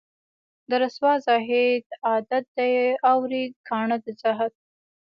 د رســــــوا زاهـــــد عـــــــادت دی اوروي کاڼي د زهد